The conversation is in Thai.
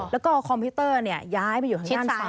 แล้วก็คอมพิวเตอร์เนี่ยย้ายไปอยู่ข้างด้านซ้าย